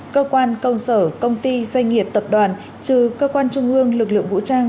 cơ quan công sở công ty doanh nghiệp tập đoàn trừ cơ quan trung ương lực lượng vũ trang